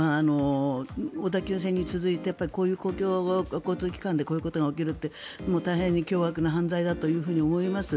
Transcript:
小田急線に続いてこういう公共交通機関でこういうことが起きるって大変凶悪な犯罪だと思います。